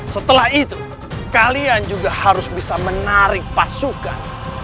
setelah itu kalian juga harus bisa menarik pasukan